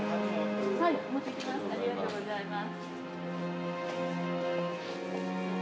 ありがとうございます。